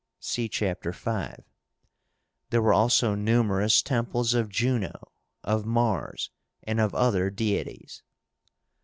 (See Chapter V.) There were also numerous temples of Juno, of Mars, and of other deities.